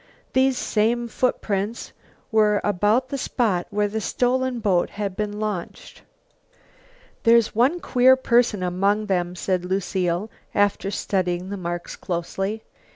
These same footprints were about the spot where the stolen boat had been launched. "There's one queer person among them," said Lucile, after studying the marks closely.